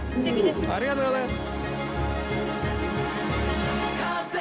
ありがとうございます！